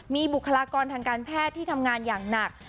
มีบุคลากรทางการแพทย์ที่ทำงานอย่างหนัก